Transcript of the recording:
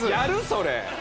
それ。